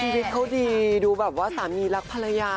ชีวิตเขาดีดูแบบว่าสามีรักภรรยา